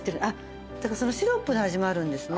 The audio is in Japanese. だからそのシロップの味もあるんですね。